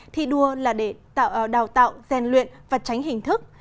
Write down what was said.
thi đua là để tạo đào tạo gian luyện và tránh hình thức